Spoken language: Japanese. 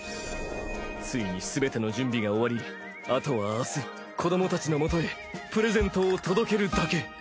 ついにすべての準備が終わりあとは明日子どもたちのもとへプレゼントを届けるだけ。